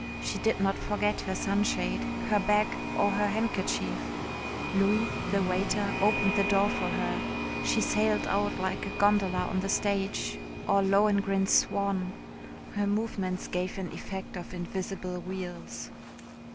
She did not forget her sunshade, her bag, or her handkerchief. Louis, the waiter, opened the door for her. She sailed out like a gondola on the stage, or Lohengrin's swan. Her movements gave an effect of invisible wheels.